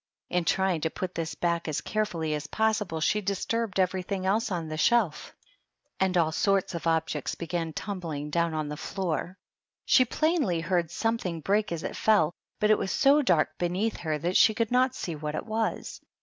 In trying to put this back as carefully as possible she disturbed everything else on the shelf, and all THE DUCHESS AND HER HOUSE. 35 sorts of objects began tumbling down on the floor ; she plainly heard something break as it fell, but it was so dark beneath her that she could not see what it was.